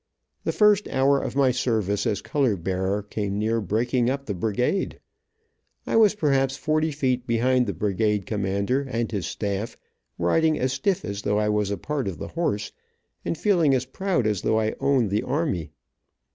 The first hour of my service as color bearer came near breaking up the brigade. I was perhaps forty feet behind the brigade commander and his staff, riding as stiff as though I was a part of the horse, and feeling as proud as though I owned the army.